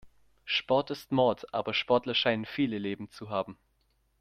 Sport ist Mord, aber Sportler scheinen viele Leben zu haben.